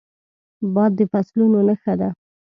باد د فصلونو نښه ده